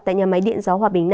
tại nhà máy điện giáo hòa bình năm